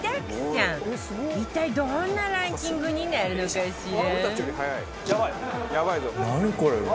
一体どんなランキングになるのかしら？